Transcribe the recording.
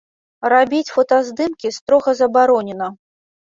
Рабіць фотаздымкі строга забаронена.